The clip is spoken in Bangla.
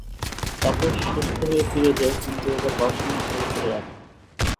তাপস সুস্থ হয়ে ফিরে যায়, কিন্তু এবার ভারসাম্য হারিয়ে ফেলে রাধা।